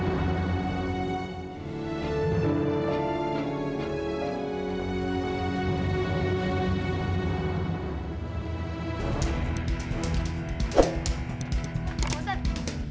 bagaimana dirinya jemput dalam kesamaan upacom administrasi